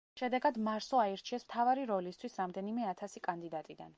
შედეგად, მარსო აირჩიეს მთავარი როლისთვის რამდენიმე ათასი კანდიდატიდან.